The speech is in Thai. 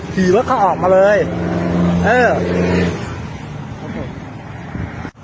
หิวแล้วเขาออกมาเลยเออ